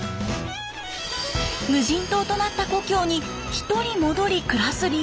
無人島となった故郷に１人戻り暮らす理由とは？